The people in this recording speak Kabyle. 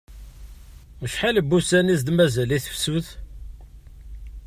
Acḥal n wussan i as-d-mazal i tefsut?